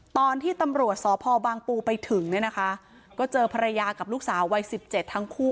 ตอนที่ตำรวจสพบางปูไปถึงเนี่ยนะคะก็เจอภรรยากับลูกสาววัย๑๗ทั้งคู่